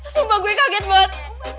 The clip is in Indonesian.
sumpah gue kaget banget